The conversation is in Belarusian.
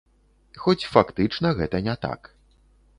Хоць фактычна гэта не так.